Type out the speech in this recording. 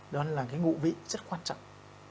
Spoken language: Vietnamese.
đó là cái ngũ vị rất quan trọng